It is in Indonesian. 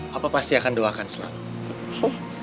bapak pasti akan doakan selalu